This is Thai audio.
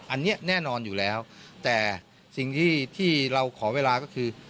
อันนี้แน่นอนอยู่แล้วแต่สิ่งที่ที่เราขอเวลาก็คือ